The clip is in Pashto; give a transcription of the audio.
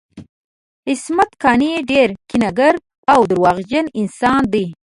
عصمت قانع ډیر کینه ګر او درواغجن انسان دی